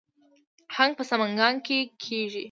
هنګ په سمنګان کې کیږي